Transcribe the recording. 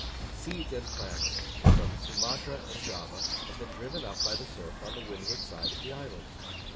"Seeds and plants from Sumatra and Java have been driven up by the surf on the windward side of the islands.